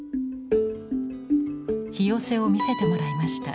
「ひよせ」を見せてもらいました。